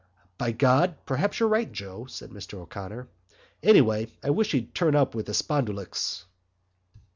"By God! perhaps you're right, Joe," said Mr O'Connor. "Anyway, I wish he'd turn up with the spondulics."